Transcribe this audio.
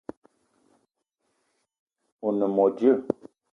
O ne mo djeue?